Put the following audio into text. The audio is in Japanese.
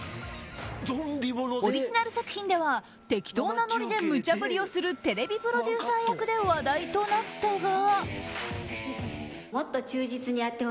オリジナル作品では適当なノリでむちゃ振りをするテレビプロデューサー役で話題となったが。